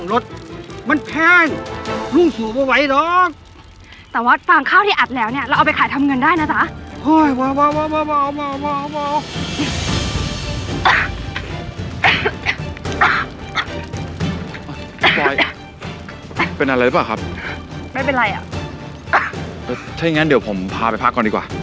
เป็นอะไรหรือเปล่าครับไม่เป็นไรอ่ะถ้าอย่างงั้นเดี๋ยวผมพาไปพักก่อนดีกว่า